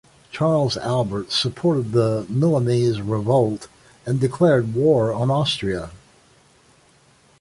Charles Albert supported the Milanese revolt and declared war on Austria.